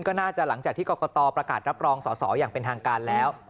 ก็น่าจะหลังจากที่กรกตประกาศรับรองสอสออย่างเป็นทางการแล้ว